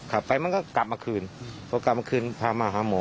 ขับไปมันก็กลับมาคืนพอกลับมาคืนพามาหาหมอ